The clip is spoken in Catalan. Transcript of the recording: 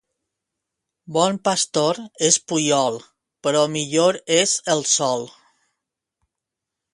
Bon pastor és Puiol, però millor és el sol.